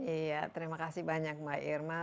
iya terima kasih banyak mbak irma